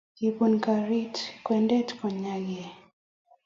Kipun garit kwendi konyaigei